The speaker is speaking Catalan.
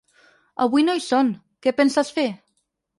Avui no hi són, què penses fer?